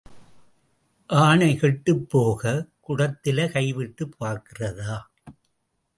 ஆனை கெட்டுப் போகக் குடத்தில கைவிட்டுப் பார்க்கிறதா?